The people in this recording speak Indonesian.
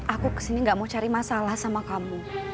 aku kesini gak mau cari masalah sama kamu